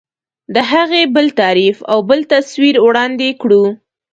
د هغې بل تعریف او بل تصویر وړاندې کړو.